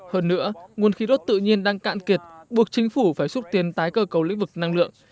hơn nữa nguồn khí đốt tự nhiên đang cạn kiệt buộc chính phủ phải xúc tiến tái cơ cầu lĩnh vực năng lượng